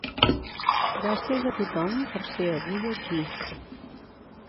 Gràcies a tothom per ser avui aquí.